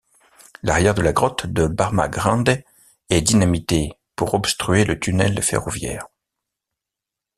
L'arrière de la grotte de Barma Grande est dynamité pour obstruer le tunnel ferroviaire.